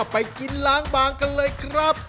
ไปกินล้างบางกันเลยครับ